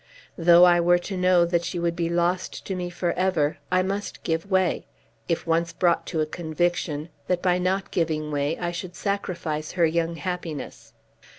Though I were to know that she would be lost to me for ever, I must give way, if once brought to a conviction that by not giving way I should sacrifice her young happiness.